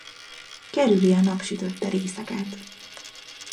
Kerüli a napsütötte részeket.